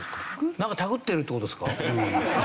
なんか手繰ってるって事ですか？